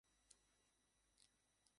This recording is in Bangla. তাহাতে তাহার কিছু কষ্ট হয় না।